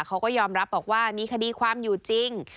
เขาก็ยอมรับบอกว่ามีคดีความอยู่จริง